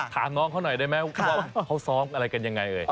เขาซ้อมอะไรกันยังไง